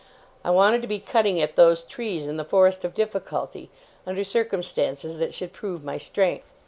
I wanted to be cutting at those trees in the forest of difficulty, under circumstances that should prove my strength.